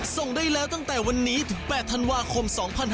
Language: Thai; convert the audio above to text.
ส่งได้แล้วตั้งแต่วันนี้ถึง๘ธันวาคม๒๕๖๒